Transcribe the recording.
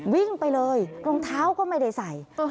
วิ่งไปเลยรองเท้าก็ไม่ได้ใส่